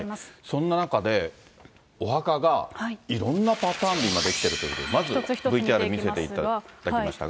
そんな中で、お墓がいろんなパターンで今出来ているということで、まずＶＴＲ見ていただきましたが。